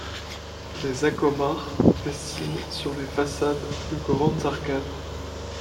Les zakomars dessinent sur les façades de grandes arcades.